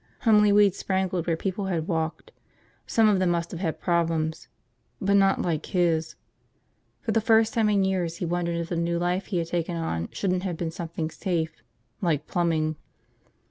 Homely weeds sprangled where people had walked. Some of them must have had problems. But not like his. For the first time in years he wondered if the new life he had taken on shouldn't have been something safe. Like plumbing.